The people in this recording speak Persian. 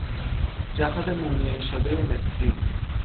جسد مومیایی شدهی مصری